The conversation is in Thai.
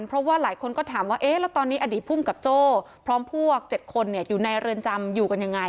เพราะว่าหลายคนก็ถามว่าเอ๊ะแล้วตอนนี้อดีตภูมิกับโจ้พร้อมพวก๗คนอยู่ในเรือนจำอยู่กันยังไง